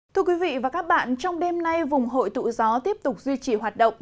thưa quý vị và các bạn trong đêm nay vùng hội tụ gió tiếp tục duy trì hoạt động